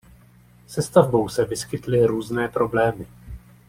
Se stavbou se vyskytly různé problémy.